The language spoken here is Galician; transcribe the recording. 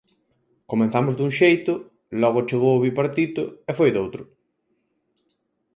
Comezamos dun xeito, logo chegou o bipartito e foi doutro.